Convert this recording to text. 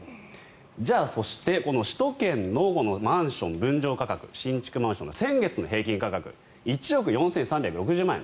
じゃあ、そして首都圏のマンション、分譲価格新築マンションの先月の平均価格１億４３６０万円。